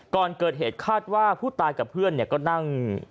ก่อนเกิดเหตุคาดว่าผู้ตายกับเพื่อนก็นั่ง